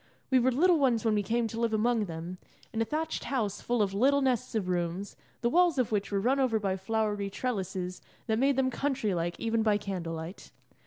We were little ones when we came to live among them, in a thatched house full of little nests of rooms, the walls of which were run over by flowery trellises that made them country like even by candle light.